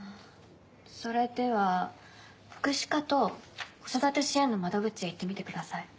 それでは福祉課と子育て支援の窓口へ行ってみてください。